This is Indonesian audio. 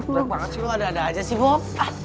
berat banget sih lo ada ada aja sih bob